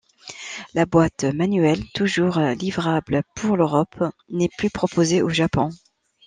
La boîte manuelle, toujours livrable pour l'Europe, n'est plus proposée au Japon.